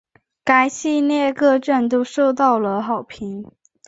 该系列各卷都受到了好评。